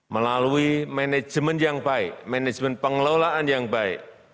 melalui manajemen yang baik manajemen pengelolaan yang baik